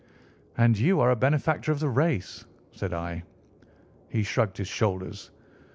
"And you are a benefactor of the race," said I. He shrugged his shoulders.